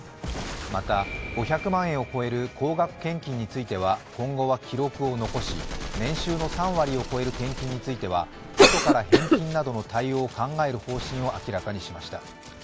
また、５００万円を超える高額献金については、今後は記録を残し年収の３割を超える献金についてはあとから返金などの対応を考える方針を明らかにしました。